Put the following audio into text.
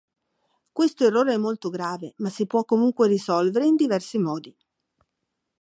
Questo errore è molto grave, ma si può comunque risolvere in diversi modi.